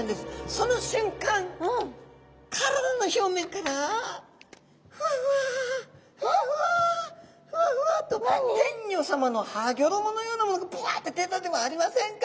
その瞬間体の表面からふわふわふわふわふわふわっと天女さまのはギョろものようなものがバッと出たではありませんか！